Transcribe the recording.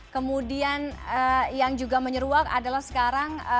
kemudian yang juga menyeruak adalah sekarang